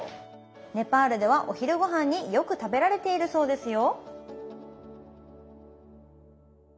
ネパールではお昼ごはんによく食べられているそうですよ